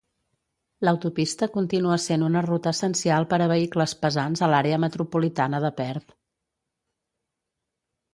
L'autopista continua sent una ruta essencial per a vehicles pesants a l'àrea metropolitana de Perth.